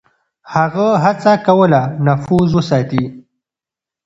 هغه هڅه کوله نفوذ وساتي.